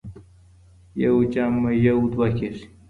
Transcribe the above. يو جمع يو دوه کېږي.